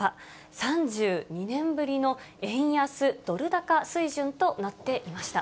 ３２年ぶりの円安ドル高水準となっていました。